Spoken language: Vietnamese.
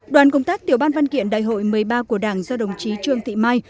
đoàn công tác tiểu ban văn kiện đại hội một mươi ba của đảng do đồng chí trương thị mai